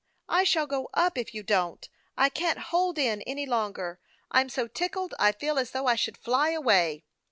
I shall go up if you don't. I can't hold in any longer. I'm so tickled, I feel as though I should fly away."